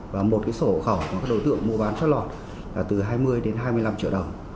và một cái sổ hộ khẩu của các đối tượng mua bán chất lọt là từ hai mươi đến hai mươi năm triệu đồng